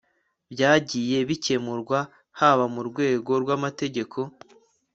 byagiye bikemurwa, haba mu rwego rw'amategeko